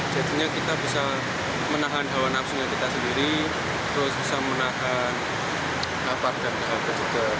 jadinya kita bisa menahan hawa nafsunya kita sendiri terus bisa menahan lapar dan petugas